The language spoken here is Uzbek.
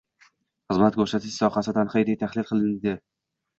Xizmat ko‘rsatish sohasi tanqidiy tahlil qilinding